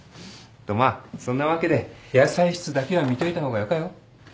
とまあそんなわけで野菜室だけは見といた方がよかよ。